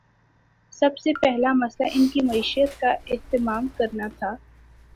سب سے پہلا مسئلہ ان کی معیشت کا اہتمام کرنا تھا۔